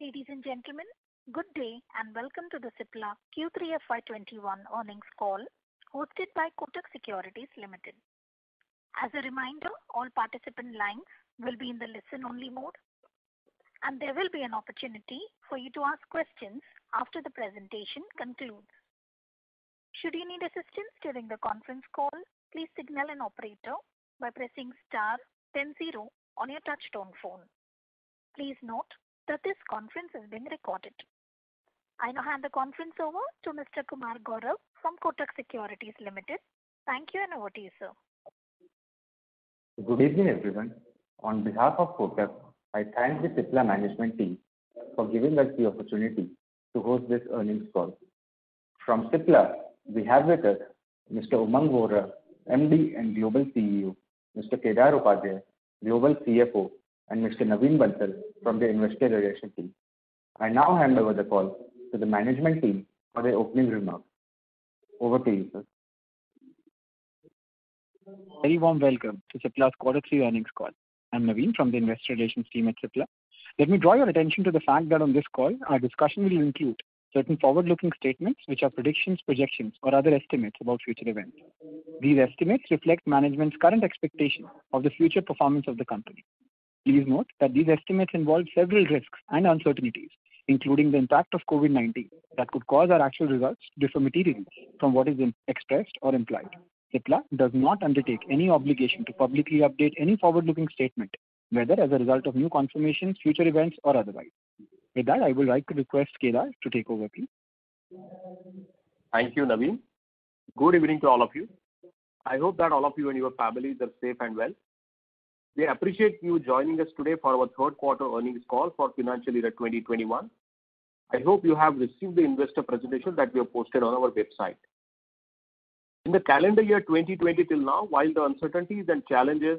Ladies and gentlemen, good day, and welcome to the Cipla Q3 FY 2021 earnings call hosted by Kotak Securities Limited. As a reminder, all participant lines will be in the listen-only mode, and there will be an opportunity for you to ask questions after the presentation concludes. Should you need assistance during the conference call, please signal an operator by pressing star then zero on your touchtone phone. Please note that this conference is being recorded. I now hand the conference over to Mr. Kumar Gaurav from Kotak Securities Limited. Thank you, and over to you, sir. Good evening, everyone. On behalf of Kotak, I thank the Cipla management team for giving us the opportunity to host this earnings call. From Cipla, we have with us Mr. Umang Vohra, MD and Global CEO, Mr. Kedar Upadhye, Global CFO, and Mr. Naveen Bansal from the Investor Relations team. I now hand over the call to the management team for their opening remarks. Over to you, sir. A very warm welcome to Cipla's Q3 earnings call. I'm Naveen from the Investor Relations team at Cipla. Let me draw your attention to the fact that on this call, our discussion will include certain forward-looking statements, which are predictions, projections, or other estimates about future events. These estimates reflect management's current expectation of the future performance of the company. Please note that these estimates involve several risks and uncertainties, including the impact of COVID-19, that could cause our actual results to differ materially from what is expressed or implied. Cipla does not undertake any obligation to publicly update any forward-looking statement, whether as a result of new confirmations, future events, or otherwise. With that, I would like to request Kedar to take over, please. Thank you, Naveen. Good evening to all of you. I hope that all of you and your families are safe and well. We appreciate you joining us today for our third quarter earnings call for financial year 2021. I hope you have received the investor presentation that we have posted on our website. In the calendar year 2020 till now, while the uncertainties and challenges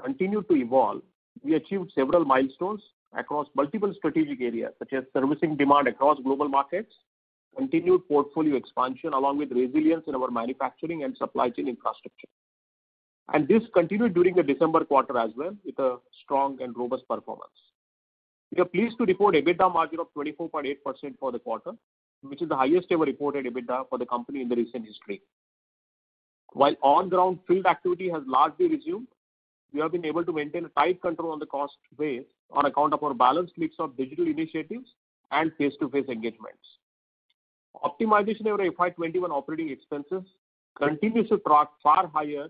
continue to evolve, we achieved several milestones across multiple strategic areas, such as servicing demand across global markets, continued portfolio expansion, along with resilience in our manufacturing and supply chain infrastructure. This continued during the December quarter as well with a strong and robust performance. We are pleased to report EBITDA margin of 24.8% for the quarter, which is the highest ever reported EBITDA for the company in the recent history. While on-ground field activity has largely resumed, we have been able to maintain a tight control on the cost base on account of our balanced mix of digital initiatives and face-to-face engagements. Optimization of our FY 2021 operating expenses continues to track far higher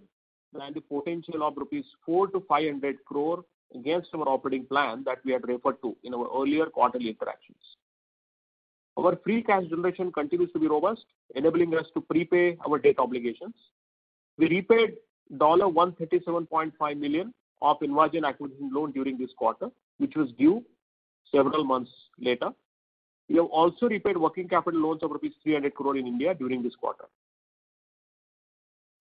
than the potential of 400 crore-500 crore rupees against our operating plan that we had referred to in our earlier quarterly interactions. Our free cash generation continues to be robust, enabling us to prepay our debt obligations. We repaid $137.5 million of InvaGen acquisition loan during this quarter, which was due several months later. We have also repaid working capital loans of rupees 300 crore in India during this quarter.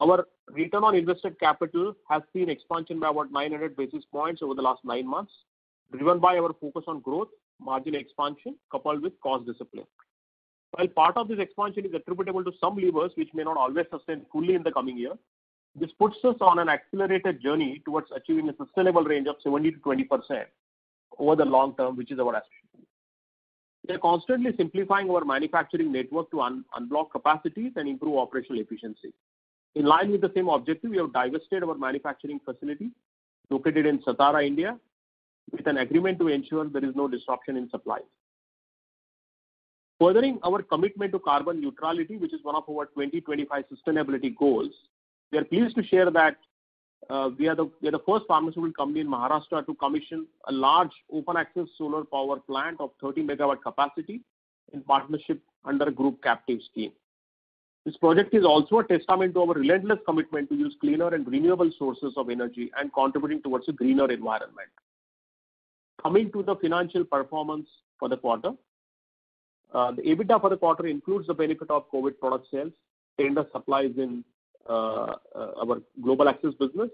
Our return on invested capital has seen expansion by about 900 basis points over the last nine months, driven by our focus on growth, margin expansion, coupled with cost discipline. While part of this expansion is attributable to some levers which may not always sustain fully in the coming year, this puts us on an accelerated journey towards achieving a sustainable range of 17%-20% over the long term, which is our aspiration. We are constantly simplifying our manufacturing network to unblock capacities and improve operational efficiency. In line with the same objective, we have divested our manufacturing facility located in Satara, India, with an agreement to ensure there is no disruption in supply. Furthering our commitment to carbon neutrality, which is one of our 2025 sustainability goals, we are pleased to share that we are the first pharmaceutical company in Maharashtra to commission a large open-access solar power plant of 30 MW capacity in partnership under a group captive scheme. This project is also a testament to our relentless commitment to use cleaner and renewable sources of energy and contributing towards a greener environment. Coming to the financial performance for the quarter. The EBITDA for the quarter includes the benefit of COVID product sales, tender supplies in our Global Access business,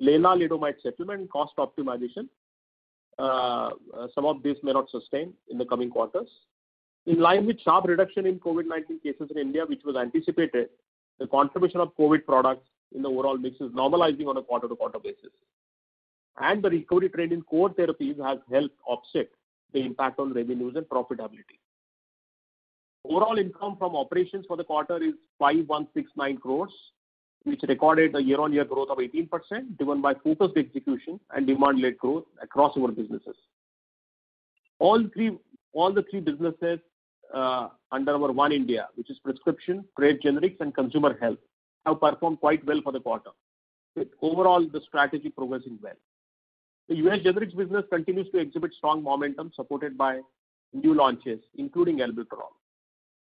lenalidomide settlement, and cost optimization. Some of these may not sustain in the coming quarters. In line with sharp reduction in COVID-19 cases in India, which was anticipated, the contribution of COVID products in the overall mix is normalizing on a quarter-to-quarter basis. The recovery trend in core therapies has helped offset the impact on revenues and profitability. Overall income from operations for the quarter is 5,169 crores, which recorded a year-on-year growth of 18%, driven by focused execution and demand-led growth across our businesses. All the three businesses under our One-India, which is prescription, trade generics, and consumer health, have performed quite well for the quarter, with overall the strategy progressing well. The U.S. generics business continues to exhibit strong momentum supported by new launches, including albuterol.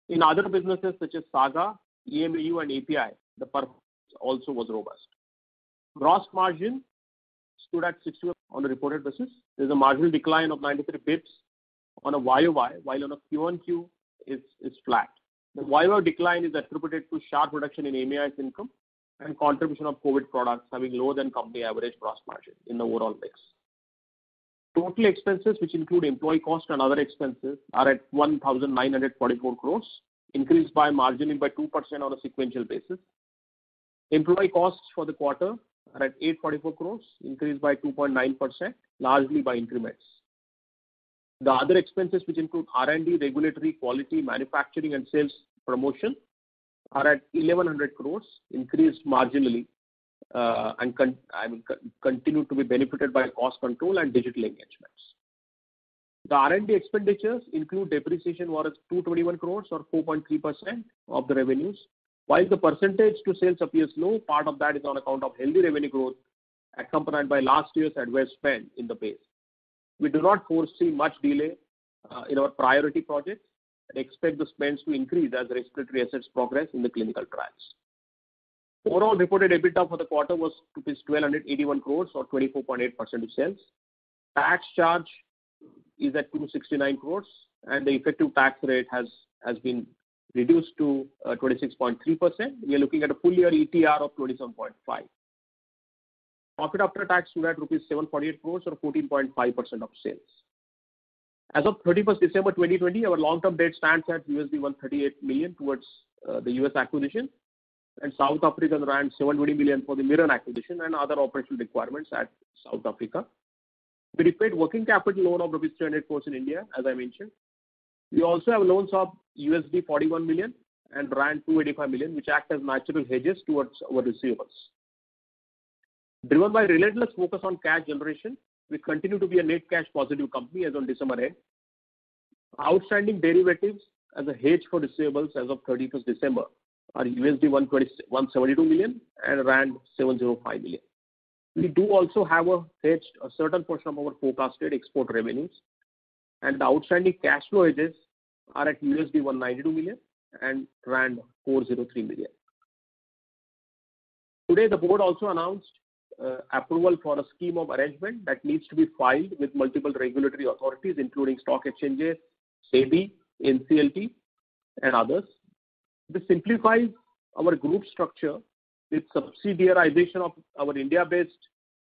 In other businesses such as SAGA, EM&AU, and API, the performance also was robust. Gross margin stood at 61% on a reported basis. There's a marginal decline of 93 basis points on a year-over-year, while on a quarter-over-quarter, it's flat. The year-over-year decline is attributed to sharp reduction in EM&AU's income and contribution of COVID-19 products having lower than company average gross margin in the overall mix. Total expenses, which include employee cost and other expenses, are at 1,944 crores, increased by margin by 2% on a sequential basis. Employee costs for the quarter are at 844 crores, increased by 2.9%, largely by increments. The other expenses, which include R&D, regulatory, quality, manufacturing, and sales promotion, are at 1,100 crores, increased marginally, and continue to be benefited by cost control and digital engagements. The R&D expenditures include depreciation worth 221 crores or 4.3% of the revenues. While the percentage to sales appears low, part of that is on account of healthy revenue growth accompanied by last year's ad spend in the base. We do not foresee much delay in our priority projects and expect the spends to increase as respiratory assets progress in the clinical trials. Overall reported EBITDA for the quarter was 1,281 crores or 24.8% of sales. Tax charge is at 269 crores, and the effective tax rate has been reduced to 26.3%. We are looking at a full-year ETR of 27.5%. Profit after tax stood at rupees 748 crores or 14.5% of sales. As of 31st December 2020, our long-term debt stands at $138 million towards the U.S. acquisition and South African rand 720 million for the Mirren acquisition and other operational requirements at South Africa. We repaid working capital loan of rupees 200 crores in India, as I mentioned. We also have loans of $41 million and rand 285 million, which act as natural hedges towards our receivables. Driven by relentless focus on cash generation, we continue to be a net cash positive company as on December-end. Outstanding derivatives as a hedge for receivables as of 31st December are $172 million and rand 705 million. We do also have hedged a certain portion of our forecasted export revenues, and the outstanding cash flow hedges are at $192 million and rand 403 million. Today, the board also announced approval for a scheme of arrangement that needs to be filed with multiple regulatory authorities including stock exchanges, SEBI, NCLT, and others. This simplifies our group structure with subsidiarization of our India-based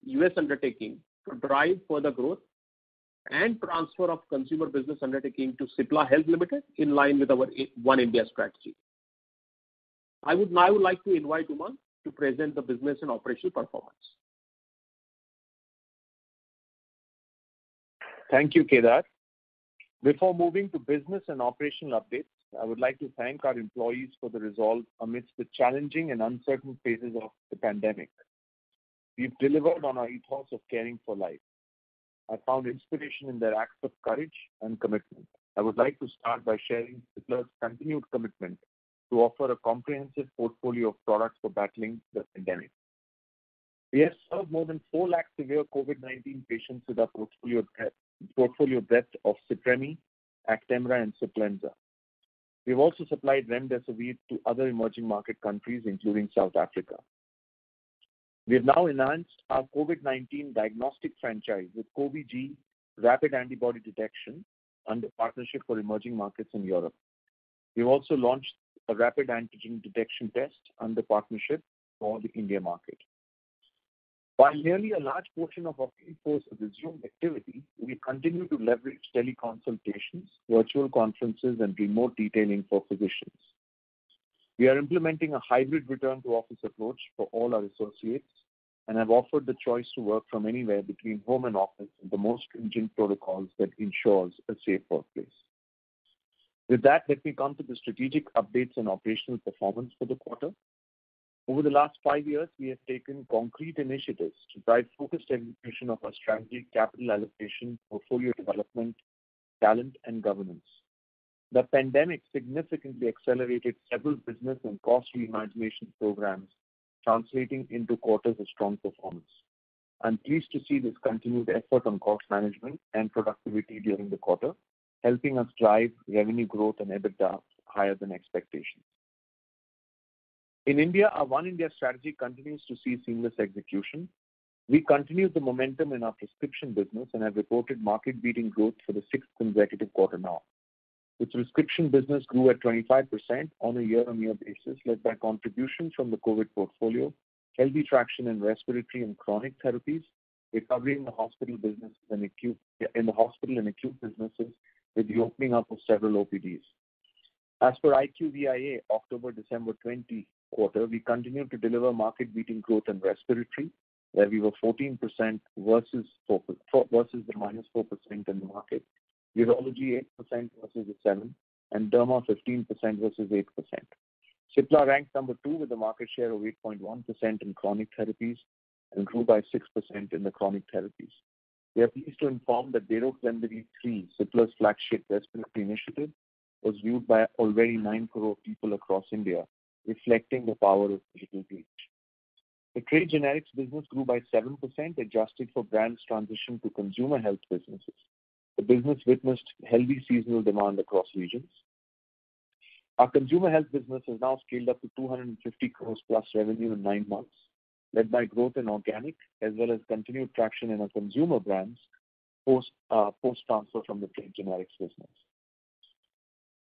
U.S. undertaking to drive further growth and transfer of consumer business undertaking to Cipla Health Limited in line with our One India strategy. I would now like to invite Umang to present the business and operational performance. Thank you, Kedar. Before moving to business and operational updates, I would like to thank our employees for the resolve amidst the challenging and uncertain phases of the pandemic. We've delivered on our ethos of caring for life. I found inspiration in their acts of courage and commitment. I would like to start by sharing Cipla's continued commitment to offer a comprehensive portfolio of products for battling the pandemic. We have served more than four lakh severe COVID-19 patients with our portfolio depth of CIPREMI, ACTEMRA, and CIPLENZA. We've also supplied remdesivir to other emerging market countries, including South Africa. We have now enhanced our COVID-19 diagnostic franchise with Covi-G rapid antibody detection under partnership for emerging markets in Europe. We've also launched a rapid antigen detection test under partnership for the India market. While nearly a large portion of our workforce has resumed activity, we continue to leverage teleconsultations, virtual conferences, and remote detailing for physicians. We are implementing a hybrid return-to-office approach for all our associates and have offered the choice to work from anywhere between home and office with the most stringent protocols that ensures a safe workplace. With that, let me come to the strategic updates and operational performance for the quarter. Over the last five years, we have taken concrete initiatives to drive focused execution of our strategy, capital allocation, portfolio development, talent, and governance. The pandemic significantly accelerated several business and cost reimagination programs, translating into quarters of strong performance. I'm pleased to see this continued effort on cost management and productivity during the quarter, helping us drive revenue growth and EBITDA higher than expectations. In India, our One-India strategy continues to see seamless execution. We continue the momentum in our prescription business and have reported market-leading growth for the sixth consecutive quarter now, with prescription business grew at 25% on a year-on-year basis, led by contributions from the COVID portfolio, healthy traction in respiratory and chronic therapies, recovery in the hospital and acute businesses with the opening up of several OPDs. As per IQVIA October-December 2020 quarter, we continued to deliver market-leading growth in respiratory, where we were 14% versus the -4% in the market. Urology 8% versus the 7%, and derma 15% versus 8%. Cipla ranks number two with a market share of 8.1% in chronic therapies and grew by 6% in the chronic therapies. We are pleased to inform that Breathefree, Cipla's flagship respiratory initiative, was viewed by already nine crore people across India, reflecting the power of digital reach. The trade generics business grew by 7%, adjusted for brands transition to consumer health businesses. The business witnessed healthy seasonal demand across regions. Our consumer health business has now scaled up to 250 crores plus revenue in nine months, led by growth in organic as well as continued traction in our consumer brands, post-transfer from the trade generics business.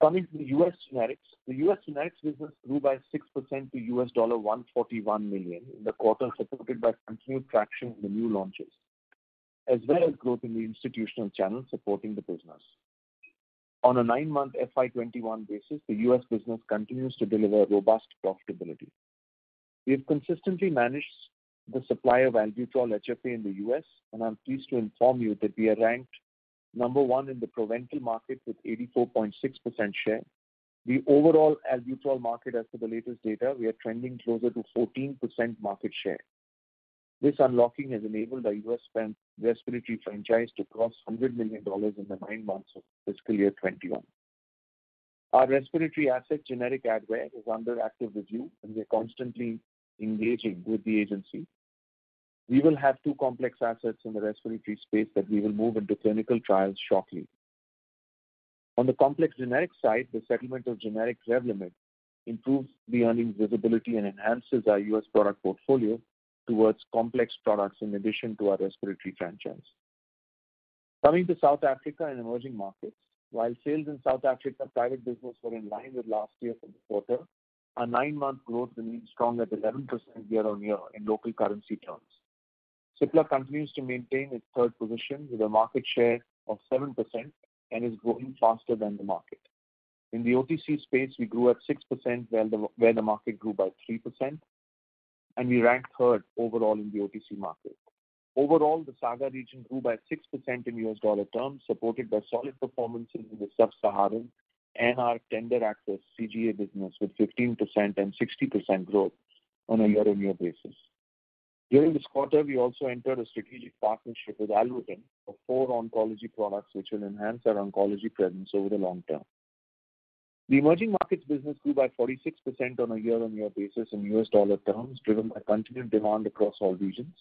Coming to the U.S. generics, the U.S. generics business grew by 6% to U.S. dollar $141 million in the quarter, supported by continued traction in the new launches, as well as growth in the institutional channel supporting the business. On a nine-month FY 2021 basis, the U.S. business continues to deliver robust profitability. We have consistently managed the supply of albuterol HFA in the U.S., and I'm pleased to inform you that we are ranked number one in the Proventil market with 84.6% share. The overall albuterol market as for the latest data, we are trending closer to 14% market share. This unlocking has enabled our U.S. respiratory franchise to cross $100 million in the nine months of fiscal year 2021. Our respiratory asset, generic Advair, is under active review and we are constantly engaging with the agency. We will have two complex assets in the respiratory space that we will move into clinical trials shortly. On the complex generics side, the settlement of generic REVLIMID improves the earnings visibility and enhances our U.S. product portfolio towards complex products in addition to our respiratory franchise. Coming to South Africa and emerging markets. While sales in South Africa private business were in line with last year for the quarter, our nine-month growth remains strong at 11% year-on-year in local currency terms. Cipla continues to maintain its third position with a market share of 7% and is growing faster than the market. In the OTC space, we grew at 6% where the market grew by 3%. We ranked third overall in the OTC market. Overall, the SAGA region grew by 6% in U.S. dollar terms, supported by solid performances in the Sub-Saharan and our tender access CGA business with 15% and 60% growth on a year-on-year basis. During this quarter, we also entered a strategic partnership with Alvogen of four oncology products, which will enhance our oncology presence over the long term. The emerging markets business grew by 46% on a year-on-year basis in U.S. dollar terms, driven by continued demand across all regions.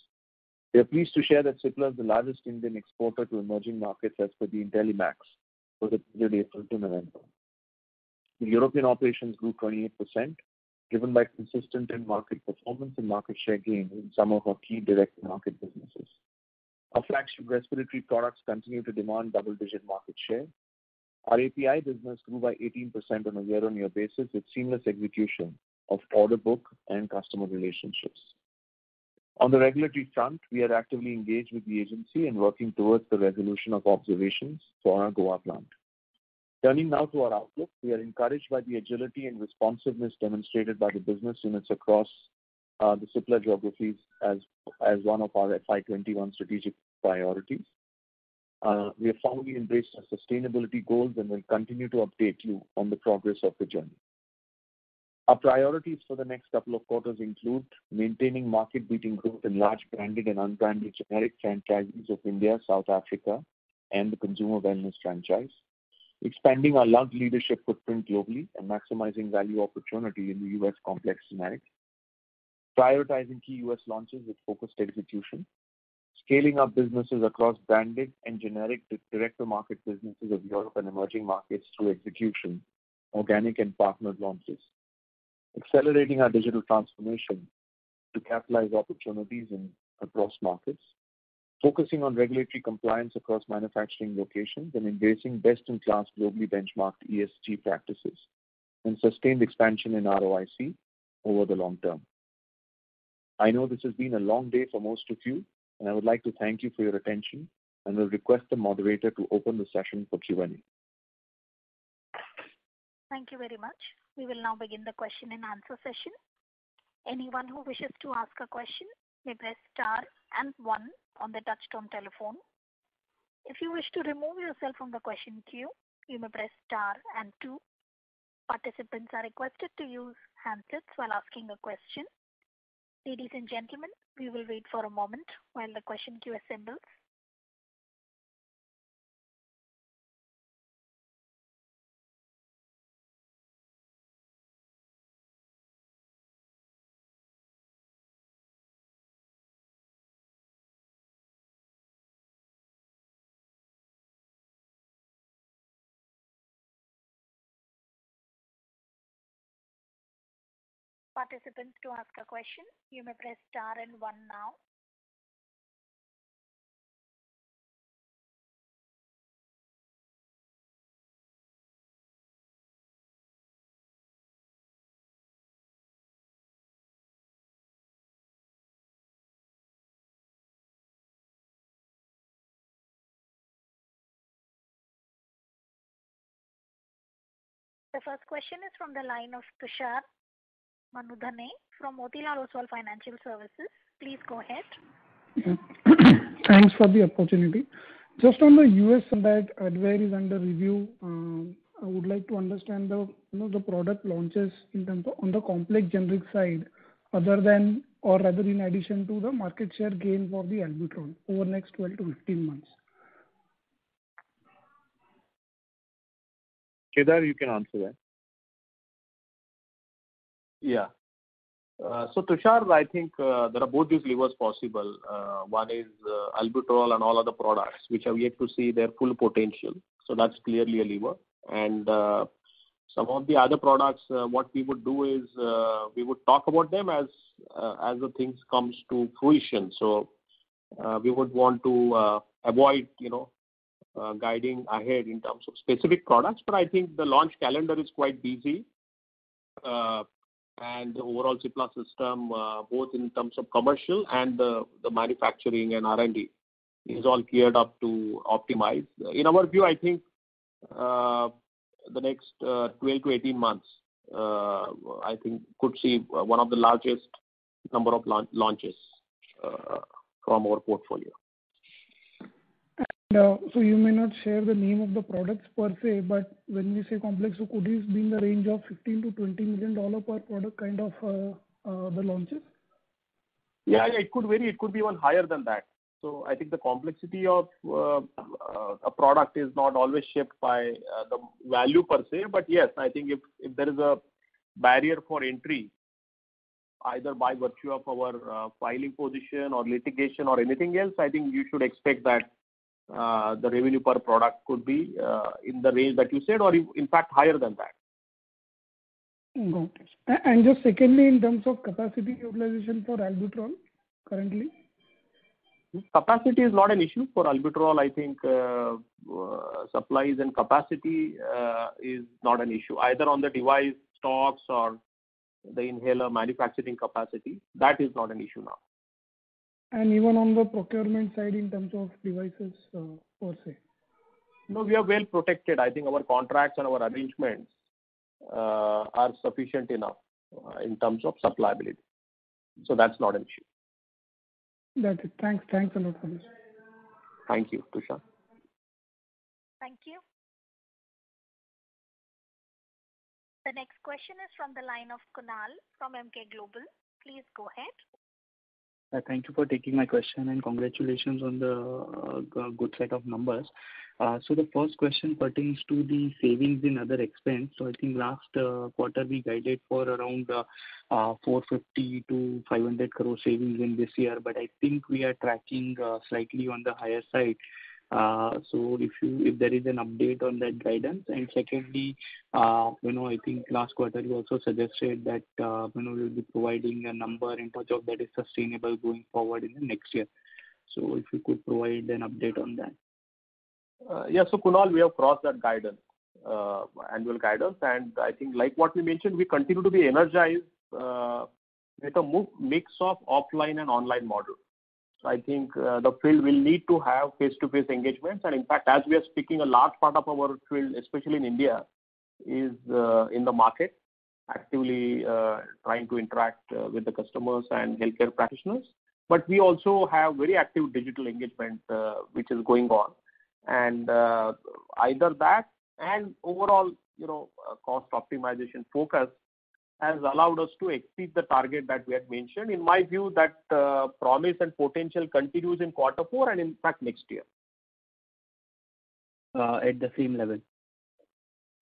We are pleased to share that Cipla is the largest Indian exporter to emerging markets as per the Intellimax for the period April to November. The European operations grew 28%, driven by consistent in-market performance and market share gains in some of our key direct-to-market businesses. Our flagship respiratory products continue to demand double-digit market share. Our API business grew by 18% on a year-on-year basis with seamless execution of order book and customer relationships. On the regulatory front, we are actively engaged with the agency and working towards the resolution of observations for our Goa plant. Turning now to our outlook. We are encouraged by the agility and responsiveness demonstrated by the business units across the Cipla geographies as one of our FY 2021 strategic priorities. We have firmly embraced our sustainability goals and will continue to update you on the progress of the journey. Our priorities for the next couple of quarters include maintaining market-beating growth in large branded and unbranded generic franchises of India, South Africa, and the consumer wellness franchise. Expanding our lung leadership footprint globally and maximizing value opportunity in the U.S. complex generics. Prioritizing key U.S. launches with focused execution. Scaling up businesses across branded and generic direct-to-market businesses of Europe and emerging markets through execution, organic and partner launches. Accelerating our digital transformation to capitalize opportunities across markets. Focusing on regulatory compliance across manufacturing locations and embracing best-in-class globally benchmarked ESG practices, and sustained expansion in ROIC over the long term. I know this has been a long day for most of you, and I would like to thank you for your attention and will request the moderator to open the session for Q&A. Thank you very much. We will now begin the question and answer session. Anyone who wishes to ask a question may press star and one on the touchtone telephone. If you wish to remove yourself from the question queue, you may press star and two. Participants are requested to use handsets while asking a question. Ladies and gentlemen, we will wait for a moment while the question queue assembles. Participants to ask a question, you may press star and one now. The first question is from the line of Tushar Manudhane from Motilal Oswal Financial Services. Please go ahead. Thanks for the opportunity. Just on the U.S. that Advair is under review, I would like to understand the product launches in terms of on the complex generics side other than, or rather in addition to the market share gain for the albuterol over the next 12-15 months. Kedar, you can answer that. Tushar, I think there are both these levers possible. One is albuterol and all other products, which are yet to see their full potential, so that's clearly a lever. Some of the other products, what we would do is, we would talk about them as the things comes to fruition. We would want to avoid guiding ahead in terms of specific products. I think the launch calendar is quite busy. Overall Cipla system, both in terms of commercial and the manufacturing and R&D, is all geared up to optimize. In our view, I think, the next 12-18 months, I think could see one of the largest number of launches from our portfolio. You may not share the name of the products per se, but when we say complex, could this be in the range of $15 million-$20 million per product kind of the launches? Yeah. It could vary, it could be even higher than that. I think the complexity of a product is not always shaped by the value per se. Yes, I think if there is a barrier for entry, either by virtue of our filing position or litigation or anything else, I think you should expect that the revenue per product could be in the range that you said or in fact higher than that. Got it. Just secondly, in terms of capacity utilization for albuterol currently? Capacity is not an issue for albuterol. I think supplies and capacity is not an issue either on the device stocks or the inhaler manufacturing capacity. That is not an issue now. Even on the procurement side in terms of devices per se. No, we are well protected. I think our contracts and our arrangements are sufficient enough in terms of supply ability. That's not an issue. That's it. Thanks a lot for this. Thank you, Tushar. Thank you. The next question is from the line of Kunal from Emkay Global. Please go ahead. Thank you for taking my question and congratulations on the good set of numbers. The first question pertains to the savings in other expense. I think last quarter we guided for around 450 crore-500 crore savings in this year, but I think we are tracking slightly on the higher side. If there is an update on that guidance. Secondly, I think last quarter you also suggested that you'll be providing a number in terms of that is sustainable going forward in the next year. If you could provide an update on that. Yeah. Kunal, we have crossed that annual guidance. I think like what we mentioned, we continue to be energized with a mix of offline and online model. I think the field will need to have face-to-face engagements. In fact, as we are speaking, a large part of our field, especially in India, is in the market actively trying to interact with the customers and healthcare practitioners. We also have very active digital engagement which is going on. Either that and overall cost optimization focus has allowed us to exceed the target that we had mentioned. In my view that promise and potential continues in quarter four and in fact next year. At the same level.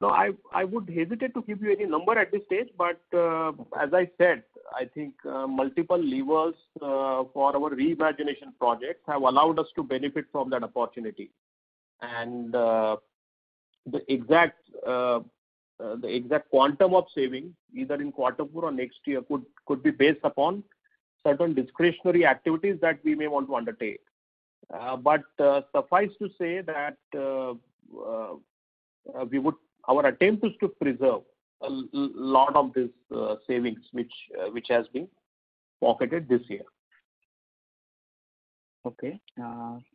I would hesitate to give you any number at this stage, but as I said, I think multiple levers for our reimagination projects have allowed us to benefit from that opportunity. The exact quantum of saving, either in quarter four or next year, could be based upon certain discretionary activities that we may want to undertake. Suffice to say that our attempt is to preserve a lot of these savings which has been pocketed this year. Okay.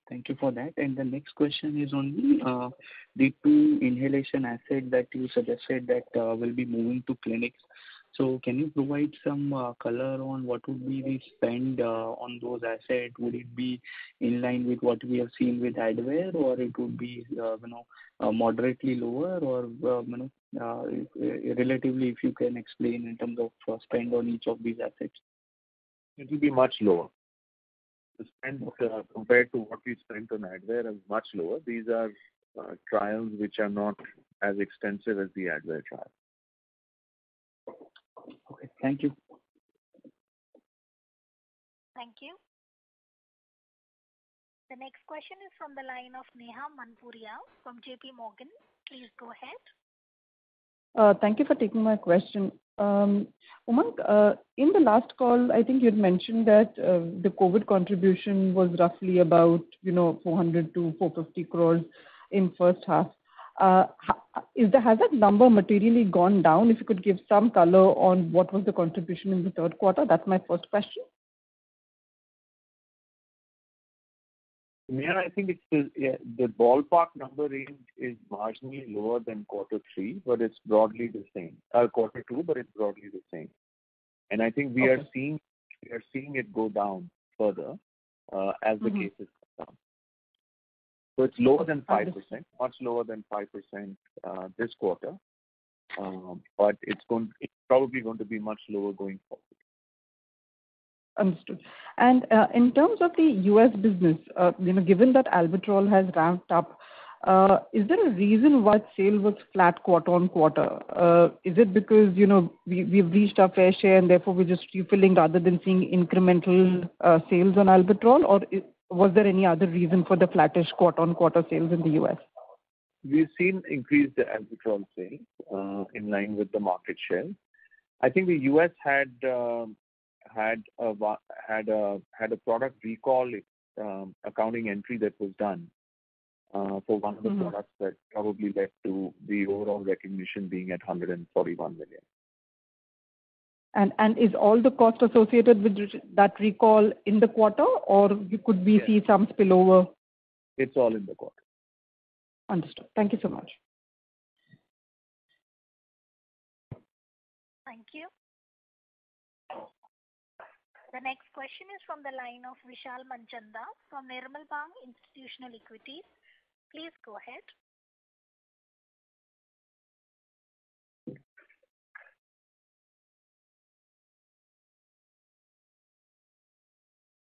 Thank you for that. The next question is on the two inhalation assets that you suggested that will be moving to clinics. Can you provide some color on what would be the spend on those assets? Would it be in line with what we have seen with Advair, or it would be moderately lower or relatively, if you can explain in terms of spend on each of these assets. It will be much lower. The spend compared to what we spent on Advair is much lower. These are trials which are not as extensive as the Advair trial. Okay. Thank you. Thank you. The next question is from the line of Neha Manpuria from JPMorgan. Please go ahead. Thank you for taking my question. Umang, in the last call, I think you had mentioned that the COVID contribution was roughly about 400 crores-450 crores in first half. Has that number materially gone down? If you could give some color on what was the contribution in the third quarter, that's my first question. Neha, I think the ballpark number range is marginally lower than Q2, but it's broadly the same. I think we are seeing it go down further as the cases come down. It's lower than 5%, much lower than 5% this quarter, but it's probably going to be much lower going forward. Understood. In terms of the U.S. business, given that albuterol has ramped up, is there a reason why sale was flat quarter-on-quarter? Is it because we've reached our fair share and therefore we're just refilling rather than seeing incremental sales on albuterol? Was there any other reason for the flattish quarter-on-quarter sales in the U.S.? We've seen increased albuterol sales in line with the market share. I think the U.S. had a product recall accounting entry that was done For one of the products that probably led to the overall recognition being at $141 million. Is all the cost associated with that recall in the quarter, or could we see some spillover? It's all in the quarter. Understood. Thank you so much. Thank you. The next question is from the line of Vishal Manchanda from Nirmal Bang Institutional Equities. Please go ahead.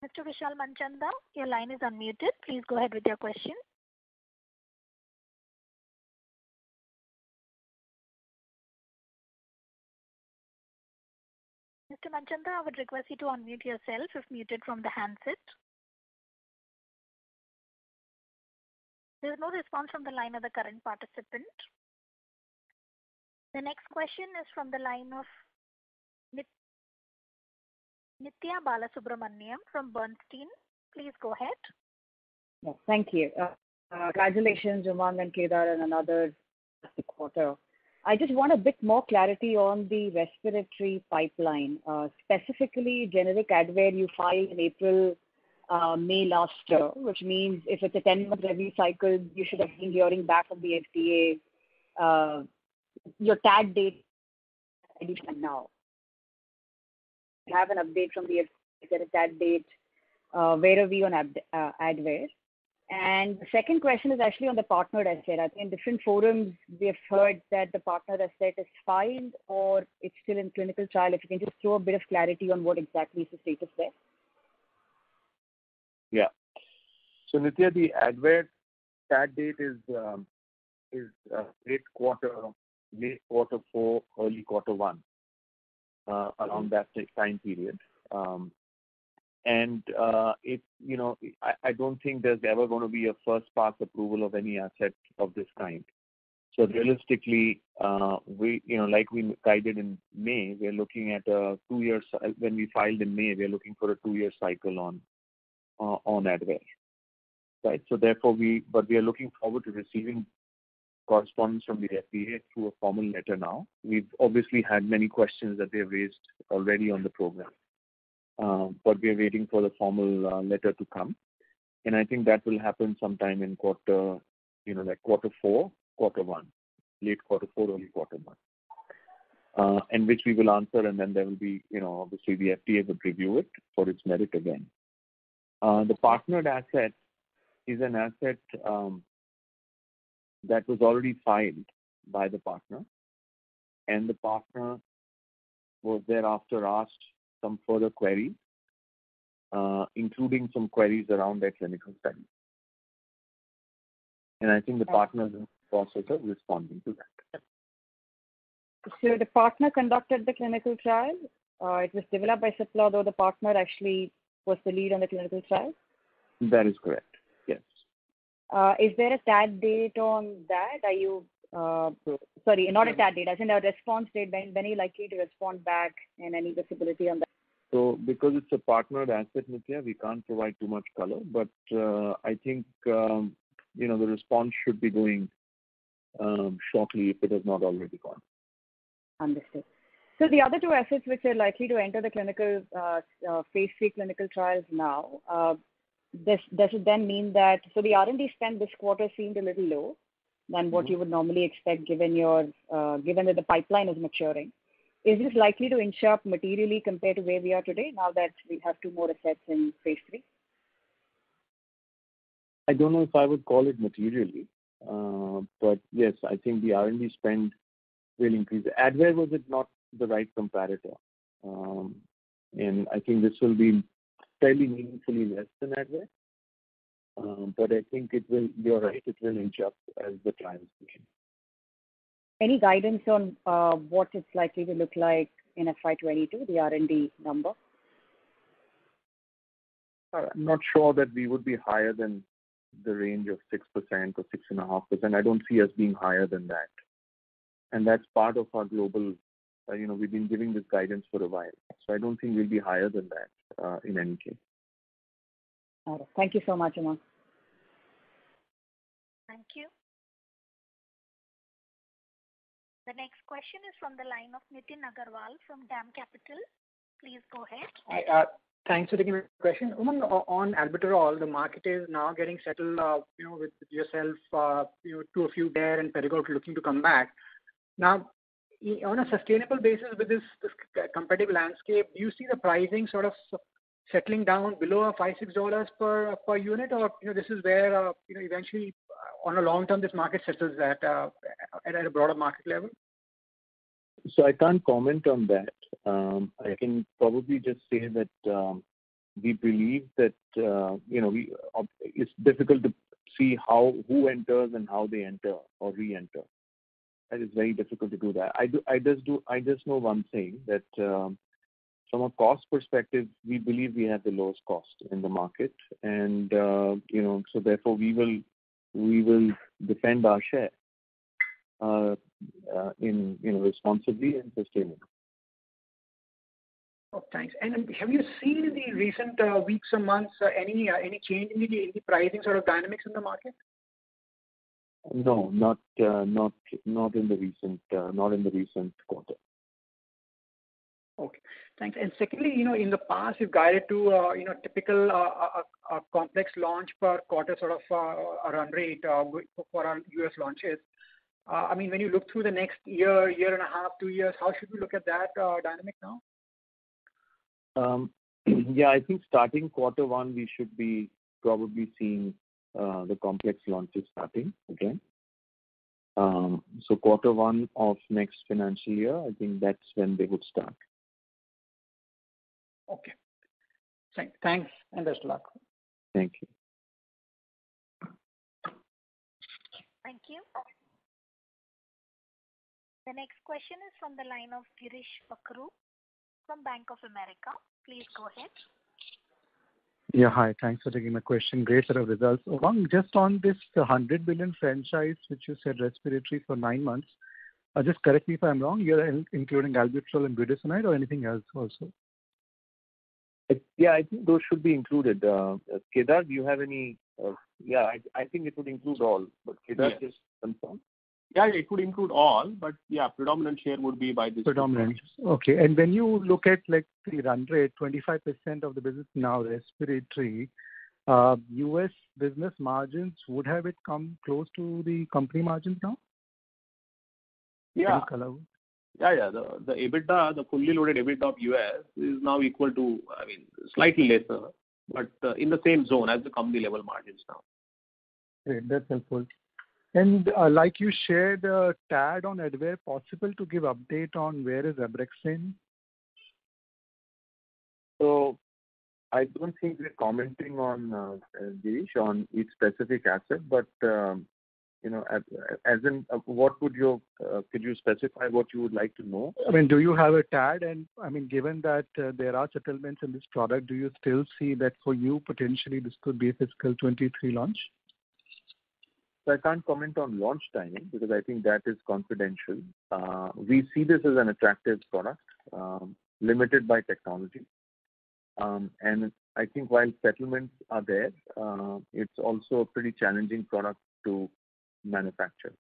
Mr. Vishal Manchanda, your line is unmuted. Please go ahead with your question. Mr. Manchanda, I would request you to unmute yourself if muted from the handset. There's no response from the line of the current participant. The next question is from the line of Nithya Balasubramanian from Bernstein. Please go ahead. Thank you. Congratulations, Umang and Kedar, on another quarter. I just want a bit more clarity on the respiratory pipeline, specifically generic Advair you filed in April, May last year, which means if it's a 10-month review cycle, you should have been hearing back from the FDA, your TAD date now. Have an update from the FDA, is there a TAD date? Where are we on Advair? The second question is actually on the partnered asset. In different forums, we have heard that the partnered asset is filed, or it's still in clinical trial. If you can just throw a bit of clarity on what exactly is the status there. Nithya, the Advair TAD date is late quarter four, early quarter one, around that time period. I don't think there's ever going to be a first-pass approval of any asset of this kind. Realistically, like we guided in May, when we filed in May, we are looking for a two-year cycle on Advair. Right. We are looking forward to receiving correspondence from the FDA through a formal letter now. We've obviously had many questions that they've raised already on the program, but we are waiting for the formal letter to come, and I think that will happen sometime in quarter four, quarter one. Late quarter four, early quarter one. Which we will answer, and then obviously the FDA would review it for its merit again. The partnered asset is an asset that was already filed by the partner, and the partner was thereafter asked some further queries, including some queries around their clinical study. I think the partner is also responding to that. The partner conducted the clinical trial. It was developed by Cipla, though the partner actually was the lead on the clinical trial? That is correct. Yes. Is there a TAD date on that? Sorry, not a TAD date. I said a response date. When are you likely to respond back, and any visibility on that? Because it's a partnered asset, Nithya, we can't provide too much color. I think the response should be going shortly, if it has not already gone. Understood. The other two assets, which are likely to enter the phase III clinical trials now, does it then mean that the R&D spend this quarter seemed a little low than what you would normally expect, given that the pipeline is maturing? Is this likely to inch up materially compared to where we are today now that we have two more assets in phase III? I don't know if I would call it materially. Yes, I think the R&D spend will increase. Advair was not the right comparator, I think this will be fairly meaningfully less than Advair. I think you're right, it will inch up as the trials begin. Any guidance on what it's likely to look like in FY 2022, the R&D number? I'm not sure that we would be higher than the range of 6% or 6.5%. I don't see us being higher than that. We've been giving this guidance for a while, so I don't think we'll be higher than that in any case. All right. Thank you so much, Umang. Thank you. The next question is from the line of Nitin Agarwal from DAM Capital. Please go ahead. Hi. Thanks for taking the question. Umang, on albuterol, the market is now getting settled with yourself, two, a few there, and Perrigo looking to come back. Now, on a sustainable basis with this competitive landscape, do you see the pricing sort of settling down below $5, $6 per unit? Or this is where, eventually, on a long-term, this market settles at a broader market level? I can't comment on that. I can probably just say that we believe that it's difficult to see who enters and how they enter or re-enter. That is very difficult to do that. I just know one thing, that from a cost perspective, we believe we have the lowest cost in the market, therefore, we will defend our share responsibly and sustainably. Oh, thanks. Have you seen in the recent weeks or months any change in the pricing sort of dynamics in the market? No, not in the recent quarter. Okay, thanks. Secondly, in the past you've guided to a typical complex launch per quarter sort of a run rate for our U.S. launches. When you look through the next year and a half, two years, how should we look at that dynamic now? Yeah, I think starting quarter one, we should be probably seeing the complex launches starting again. Quarter one of next financial year, I think that's when they would start. Okay. Thanks and best of luck. Thank you. Thank you. The next question is from the line of Girish Bakhru from Bank of America. Please go ahead. Hi. Thanks for taking my question. Great set of results. Umang, just on this 100 billion franchise, which you said respiratory for nine months. Just correct me if I'm wrong, you're including albuterol and budesonide or anything else also? Yeah, I think those should be included. Kedar, do you have any? Yeah, I think it would include all, but Kedar, just confirm. Yeah, it could include all, but yeah, predominant share would be by these. Predominant. Okay, when you look at let's say run rate, 25% of the business now respiratory, U.S. business margins, would have it come close to the company margins now? Yeah. Any color? Yeah. The fully loaded EBITDA of U.S. is now equal to, slightly lesser, but in the same zone as the company level margins now. Great. That's helpful. Like you shared, TAD on Advair, possible to give update on where is ABRAXANE? I don't think we're commenting on, Girish, on each specific asset, but could you specify what you would like to know? Do you have a TAD and given that there are settlements in this product, do you still see that for you potentially this could be a fiscal 2023 launch? I can't comment on launch timing because I think that is confidential. We see this as an attractive product, limited by technology. I think while settlements are there, it's also a pretty challenging product to manufacture.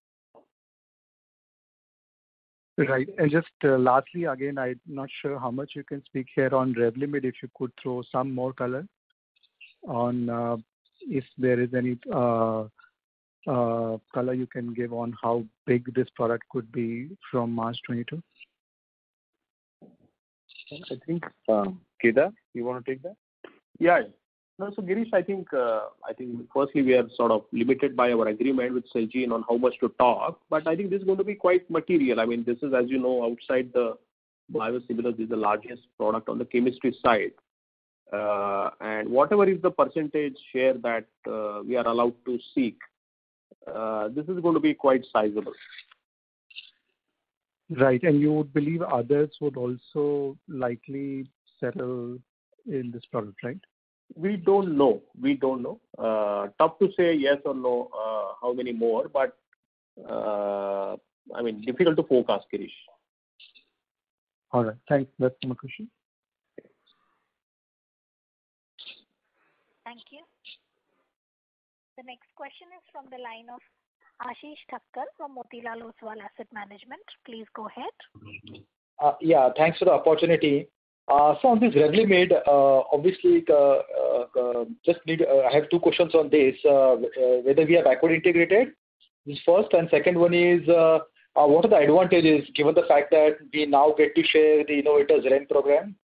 Right. Just lastly, again, I'm not sure how much you can speak here on REVLIMID. If you could throw some more color on if there is any color you can give on how big this product could be from March 2022. I think, Kedar, you want to take that? Yeah. No. Girish, I think firstly, we are sort of limited by our agreement with Celgene on how much to talk, but I think this is going to be quite material. This is, as you know, outside the biosimilars, this is the largest product on the chemistry side. Whatever is the percentage share that we are allowed to seek, this is going to be quite sizable. Right. You would believe others would also likely settle in this product, right? We don't know. Tough to say yes or no, how many more, but difficult to forecast, Girish. All right. Thanks. That's my question. Thank you. The next question is from the line of Ashish Thavkar from Motilal Oswal Asset Management. Please go ahead. Yeah, thanks for the opportunity. On this REVLIMID, obviously, I have two questions on this. Whether we are backward integrated is first, and second one is, what are the advantages given the fact that we now get to share the innovators REMS program?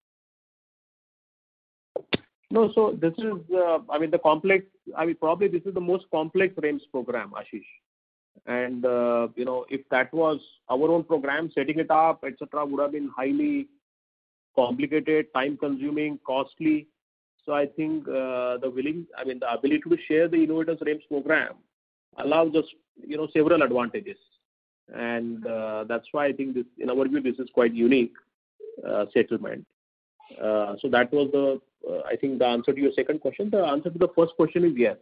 Probably this is the most complex REMS program, Ashish. If that was our own program, setting it up, et cetera, would've been highly complicated, time-consuming, costly. I think the ability to share the innovators REMS program allows us several advantages. That's why I think this, in our view, this is quite unique settlement. That was, I think the answer to your second question. The answer to the first question is yes.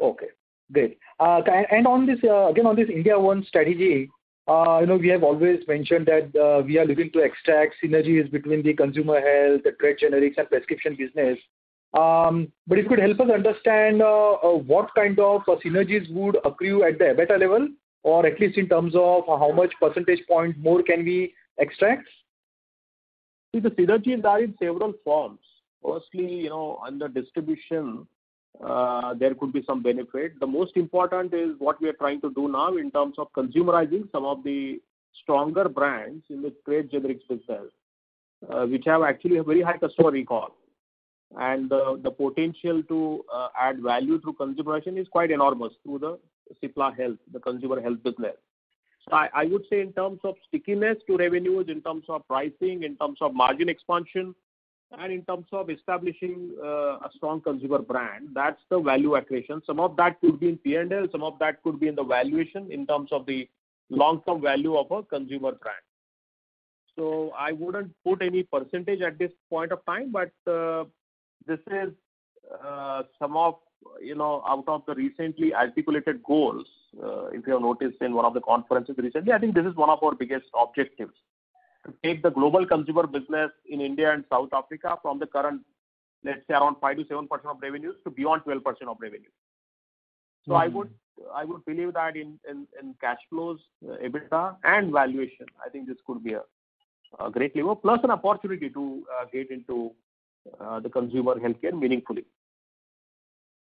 Okay, great. Again, on this One-India strategy, we have always mentioned that we are looking to extract synergies between the consumer health, the trade generics, and prescription business. If you could help us understand what kind of synergies would accrue at the EBITDA level, or at least in terms of how much percentage point more can we extract? The synergies are in several forms. Firstly, under distribution there could be some benefit. The most important is what we are trying to do now in terms of consumerizing some of the stronger brands in the trade generics itself, which have actually a very high customer recall. The potential to add value through consumerization is quite enormous through the Cipla Health, the consumer health business. I would say in terms of stickiness to revenues, in terms of pricing, in terms of margin expansion, and in terms of establishing a strong consumer brand, that's the value accretion. Some of that could be in P&L, some of that could be in the valuation in terms of the long-term value of a consumer brand. I wouldn't put any percentage at this point of time, but this is Out of the recently articulated goals, if you have noticed in one of the conferences recently, I think this is one of our biggest objectives. To take the global consumer business in India and South Africa from the current, let's say, around 5%-7% of revenues to beyond 12% of revenues. I would believe that in cash flows, EBITDA, and valuation, I think this could be a great lever, plus an opportunity to get into the consumer healthcare meaningfully.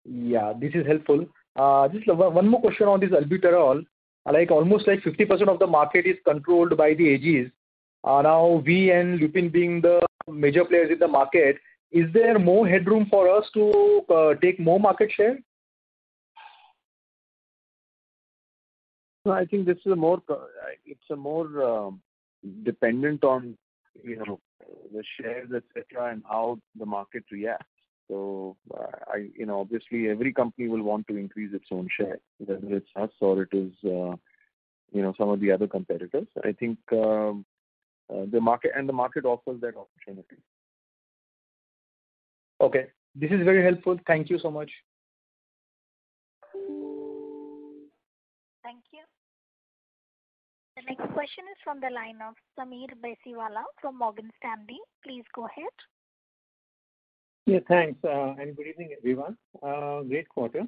Yeah. This is helpful. Just one more question on this, albuterol. Almost 50% of the market is controlled by the AGs. Now we and Lupin being the major players in the market, is there more headroom for us to take more market share? No, I think it's more dependent on the shares, et cetera, and how the market reacts. Obviously, every company will want to increase its own share, whether it's us or it is some of the other competitors. I think, and the market offers that opportunity. Okay. This is very helpful. Thank you so much. Thank you. The next question is from the line of Sameer Baisiwala from Morgan Stanley. Please go ahead. Yeah, thanks. Good evening, everyone. Great quarter.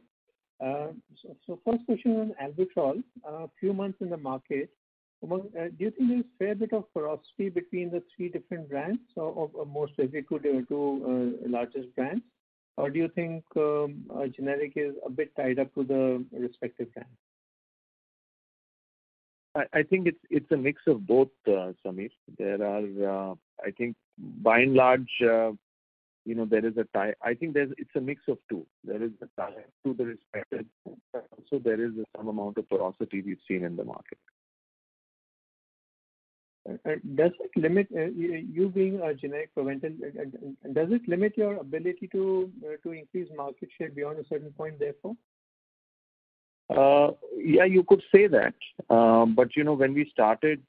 First question on albuterol. A few months in the market, do you think there's fair bit of porosity between the three different brands, or more if we could do largest brands? Do you think generic is a bit tied up with the respective brands? I think it's a mix of both, Sameer. I think by and large, I think it's a mix of two. There is a tie to the respective, but also there is some amount of porosity we've seen in the market. You being a generic provider, does it limit your ability to increase market share beyond a certain point, therefore? Yeah, you could say that. When we started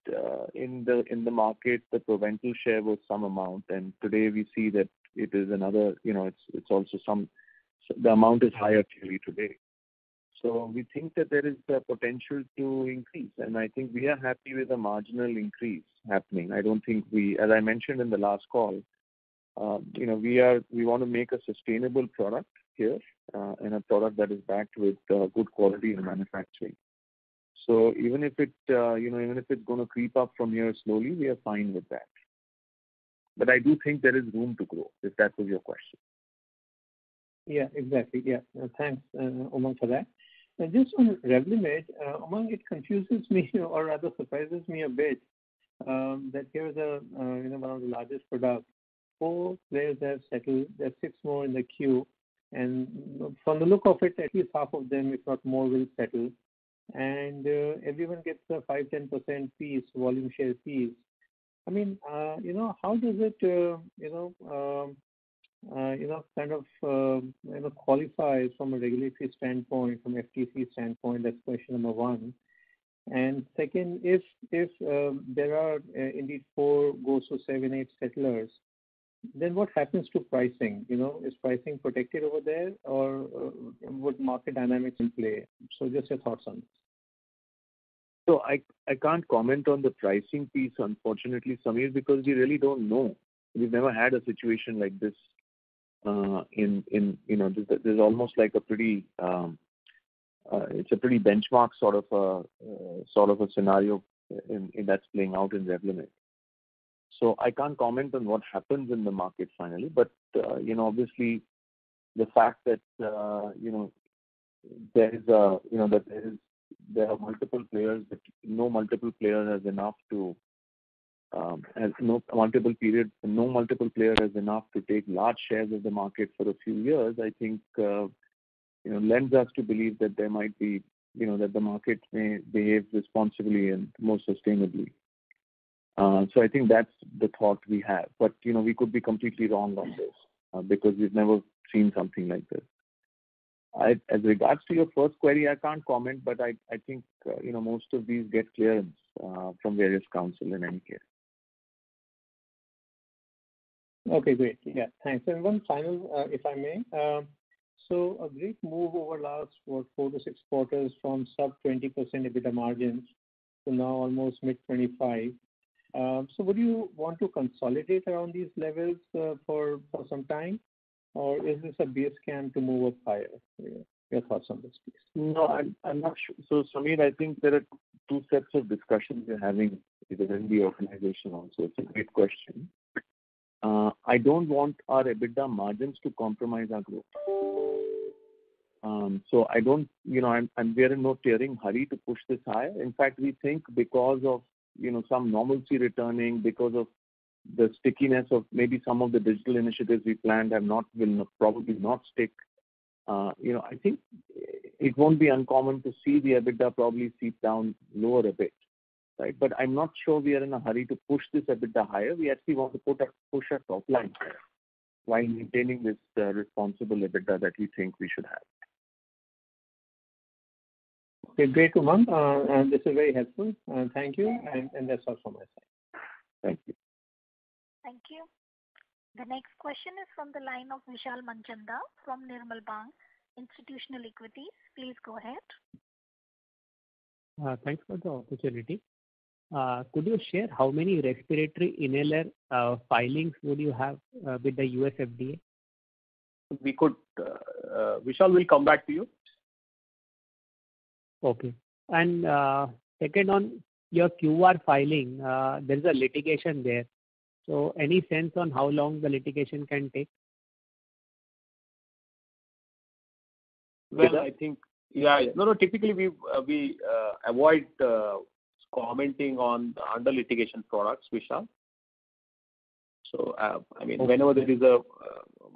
in the market, the Proventil share was some amount, and today we see that the amount is higher clearly today. We think that there is the potential to increase, and I think we are happy with the marginal increase happening. As I mentioned in the last call, we want to make a sustainable product here, and a product that is backed with good quality in manufacturing. Even if it's going to creep up from here slowly, we are fine with that. I do think there is room to grow, if that was your question. Exactly. Thanks, Umang, for that. Just on REVLIMID, Umang, it confuses me or rather surprises me a bit, that here is one of the largest product. Four players have settled, there are six more in the queue. From the look of it, at least half of them, if not more, will settle. Everyone gets a 5, 10% piece, volume share piece. How does it qualify from a regulatory standpoint, from FTC standpoint? That's question number one. Second, if there are indeed four goes to seven, eight settlers, what happens to pricing? Is pricing protected over there or would market dynamics in play? Just your thoughts on this. I can't comment on the pricing piece, unfortunately, Sameer, because we really don't know. We've never had a situation like this. It's a pretty benchmark sort of a scenario that's playing out in REVLIMID. I can't comment on what happens in the market finally. Obviously the fact that there are multiple players, but no multiple player has enough to take large shares of the market for a few years, I think, lends us to believe that the market may behave responsibly and more sustainably. I think that's the thought we have. We could be completely wrong on this, because we've never seen something like this. As regards to your first query, I can't comment, but I think most of these get clearance from various council and NK. Okay, great. Yeah. Thanks. One final, if I may. A great move over last, what, four to six quarters from sub 20% EBITDA margins to now almost mid 25. Would you want to consolidate around these levels for some time, or is this a base camp to move up higher? Your thoughts on this, please. No, I'm not sure. Sameer, I think there are two sets of discussions we're having within the organization also. It's a great question. I don't want our EBITDA margins to compromise our growth. We're in no tearing hurry to push this higher. In fact, we think because of some normalcy returning, because of the stickiness of maybe some of the digital initiatives we planned have probably not stick. I think it won't be uncommon to see the EBITDA probably seep down lower a bit, right? I'm not sure we are in a hurry to push this EBITDA higher. We actually want to push our top line higher while maintaining this responsible EBITDA that we think we should have. Okay, great, Umang. This is very helpful. Thank you. That's all from my side. Thank you. Thank you. The next question is from the line of Vishal Manchanda from Nirmal Bang Institutional Equities. Please go ahead. Thanks for the opportunity. Could you share how many respiratory inhaler filings would you have with the U.S. FDA? Vishal, we'll come back to you. Okay. Second, on your QR filing, there's a litigation there. Any sense on how long the litigation can take? Typically, we avoid commenting on under litigation products, Vishal. Whenever there is a